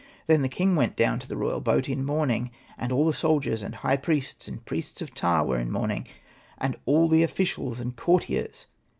Then the king went down to the royal boat in mourning, and all the soldiers and high priests and priests of Ptah were in mourning, and all the officials and courtiers.